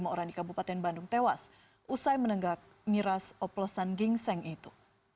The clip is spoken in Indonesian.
lima orang di kabupaten bandung tewas usai menenggak miras oplosan gingseng itu